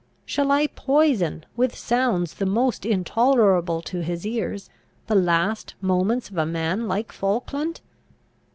Shall I poison, with sounds the most intolerable to his ears, the last moments of a man like Falkland?